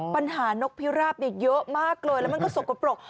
ปัญหานกพิราบเยอะมากเลยมันก็สกปรก